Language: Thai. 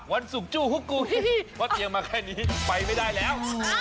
วันศุกร์จู้ฮุกกุยเพราะเตียงมาแค่นี้ไปไม่ได้แล้ว